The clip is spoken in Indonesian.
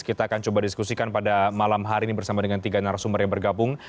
kita akan coba diskusikan pada malam hari ini bersama dengan tiga narasumber yang bergabung